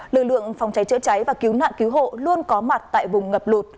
lực lượng phòng cháy chữa cháy và cứu nạn cứu hộ luôn có mặt tại vùng ngập lụt